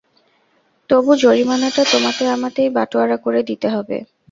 তবু জরিমানাটা তোমাতে-আমাতেই বাঁটোয়ারা করে দিতে হবে।